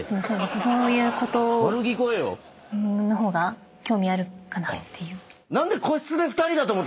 そういうことの方が興味あるかなっていう。